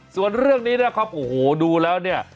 ส่วนเรื่องนี้นะครับโอ้โหดูแล้วเนี่ย